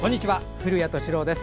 古谷敏郎です。